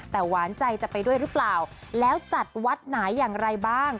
แต่หวานใจจะไปด้วยหรือเปล่าแล้วจัดวัดไหนอย่างไรบ้าง